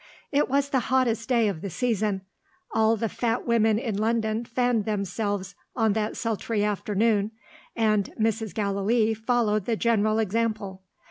It was the hottest day of the season. All the fat women in London fanned themselves on that sultry afternoon; and Mrs. Gallilee followed the general example.